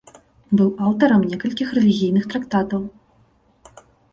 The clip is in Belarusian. Быў аўтарам некалькіх рэлігійных трактатаў.